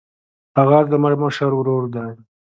هغه زما مشر ورور دی.